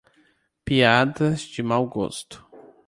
Piadas de mau gosto